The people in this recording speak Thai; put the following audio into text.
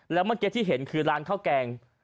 แล้วเมื่อกี้ที่เห็นคือร้านข้าวแกง